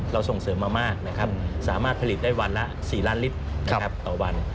ส่งเสริมมามากนะครับสามารถผลิตได้วันละ๔ล้านลิตรต่อวัน